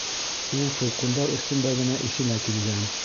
Ул тулҡындар өҫтөндә генә иҫенә килгән.